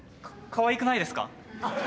かわいくないですか？